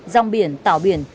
rau biển tảo biển